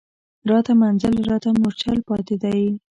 راته منزل راته مورچل پاتي دی